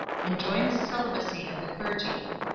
Enjoins celibacy of the clergy.